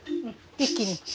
一気に。